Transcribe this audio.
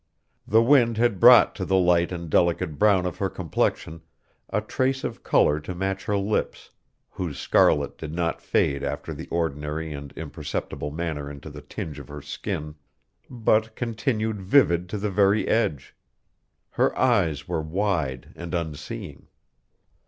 The wind had brought to the light and delicate brown of her complexion a trace of color to match her lips, whose scarlet did not fade after the ordinary and imperceptible manner into the tinge of her skin, but continued vivid to the very edge; her eyes were wide and unseeing.